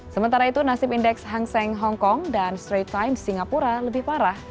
sementara itu nasib indeks hang seng hongkong dan straight time singapura lebih parah